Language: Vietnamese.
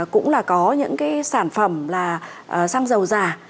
cũng là có những cái sản phẩm là sang giàu già